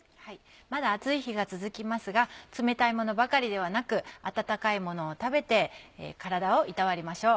まだ暑い日が続きますが冷たいものばかりではなく温かいものを食べて体をいたわりましょう。